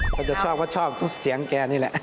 เขาจะชอบก็ชอบทุกเสียงแกนี่แหละ